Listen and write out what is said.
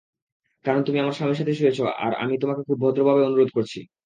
কারণ তুমি আমার স্বামীর সাথে শুয়েছ আর আমি তোমাকে খুব ভদ্রভাবে অনুরোধ করছি।